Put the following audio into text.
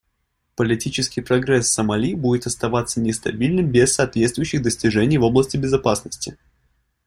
Политический прогресс в Сомали будет оставаться нестабильным без соответствующих достижений в области безопасности.